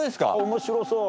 面白そう。